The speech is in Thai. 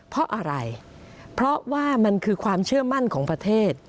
เพราะอะไรเพราะว่ามันคือความเชื่อมั่นของประเทศ